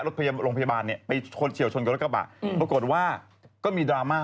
ตบไปไหนคะฉันตบให้นะ